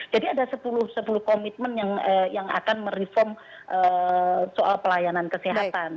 jadi ada sepuluh komitmen yang akan mereform soal pelayanan kesehatan